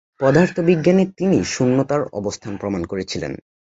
পদার্থ বিজ্ঞানে তিনিই 'শূন্যতা'-র অবস্থান প্রমাণ করেছিলেন।